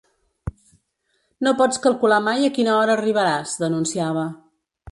No pots calcular mai a quina hora arribaràs, denunciava.